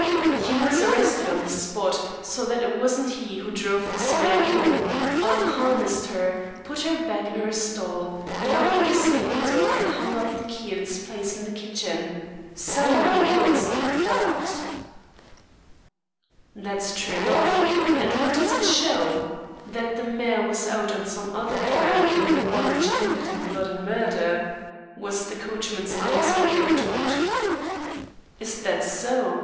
"He was arrested on the spot; so that it wasn't he who drove this mare home, unharnessed her, put her back in her stall, locked the stable door and hung up the key in its place in the kitchen. Somebody else did that." "That's true enough, and what does it show? That the mare was out on some other errand than the one which ended in blood and murder," was the coachman's unexpected retort. "Is that so?"